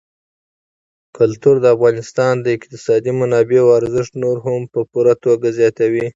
کلتور د افغانستان د اقتصادي منابعو ارزښت نور هم په پوره توګه زیاتوي.